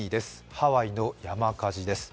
ハワイの山火事です。